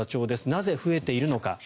なぜ増えているのか。